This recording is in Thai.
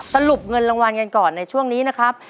สรุปเงินรางวัลกันก่อนในช่วงนี้นะครับ